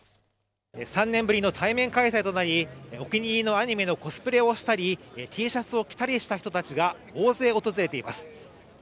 ３年ぶりの対面開催となりお気に入りのアニメのコスプレをしたりＴシャツを着たりした人たちが大勢訪れています。